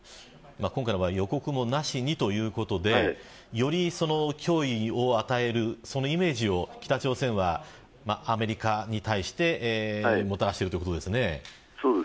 今回は予告もなしにということでより脅威を与えるイメージを北朝鮮はアメリカに対してもたらしているということですね。